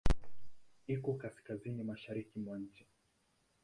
Iko kaskazini-mashariki mwa nchi.